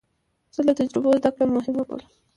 زه له تجربو زده کړه مهمه بولم.